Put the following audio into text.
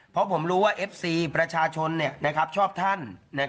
เพราะผมรู้ว่าเอฟซีประชาชนชอบท่าน